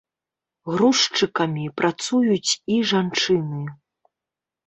Грузчыкамі працуюць і жанчыны.